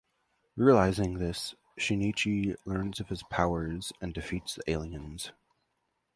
Realizing this, Shinichi learns of his powers and defeats the aliens.